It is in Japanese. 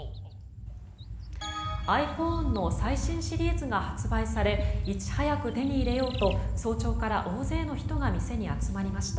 ｉＰｈｏｎｅの最新シリーズが発売されいち早く手に入れようと早朝から多くの人が店に集まりました。